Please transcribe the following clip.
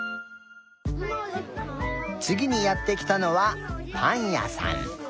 つぎにやってきたのはパンやさん。